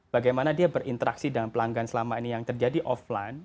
bagaimana dia berinteraksi dengan pelanggan selama ini yang terjadi offline